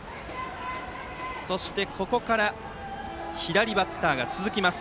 そして、ここから左バッターが続きます。